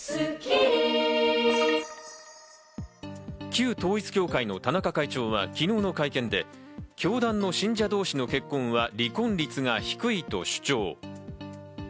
旧統一教会の田中会長は昨日の会見で、教団の信者同士の結婚は離婚率が低いと主張。